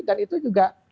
dan itu juga